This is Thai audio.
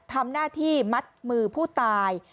ทำหน้าที่มัดมือผู้ตาย